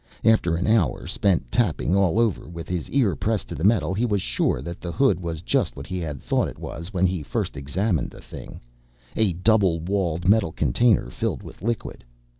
After an hour spent tapping all over with his ear pressed to the metal he was sure that the hood was just what he had thought it was when he first examined the thing a double walled metal container filled with liquid.